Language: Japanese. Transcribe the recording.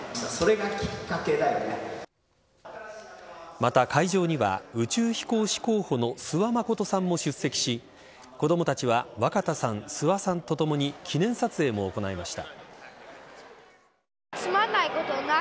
また、会場には宇宙飛行士候補の諏訪理さんも出席し子供たちは若田さん、諏訪さんとともに記念撮影も行いました。